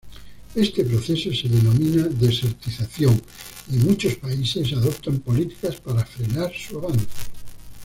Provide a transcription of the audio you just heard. Este proceso se denomina desertización y muchos países adoptan políticas para frenar su avance.